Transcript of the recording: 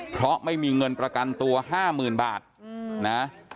เพราะไม่มีเงินประกันตัวห้าหมื่นบาทอืมนะฮะ